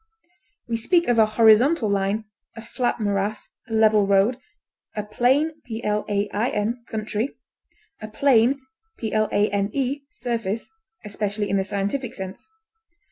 We speak of a horizontal line, a flat morass, a level road, a plain country, a plane surface (especially in the scientific sense).